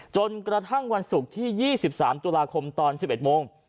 จนกระทั่งวันศุกร์ที่๒๓ตุลาคมตอน๑๑โมง